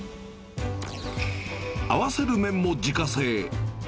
合わせる麺も自家製。